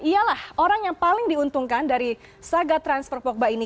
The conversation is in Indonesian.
ialah orang yang paling diuntungkan dari saga transfer pogba ini